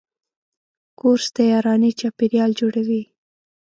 کورس د یارانې چاپېریال جوړوي.